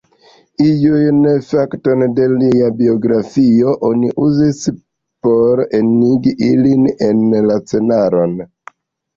Iujn faktojn de lia biografio oni uzis por enigi ilin en la scenaron.